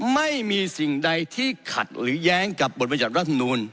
ไม่มีสิ่งใดที่ขัดหรือแย้งกับบทบรรยัติรัฐมนูล